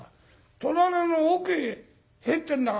戸棚の奥へ入ってんだから。